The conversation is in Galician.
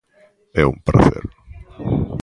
É un pracer.